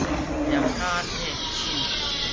跕跤跕手